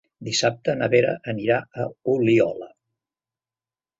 Dissabte na Vera anirà a Oliola.